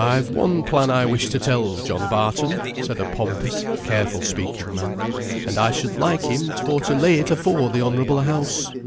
] "I've one plan I wish to tell John Barton," said a pompous, careful speaking man, "and I should like him for to lay it afore the Honourable House.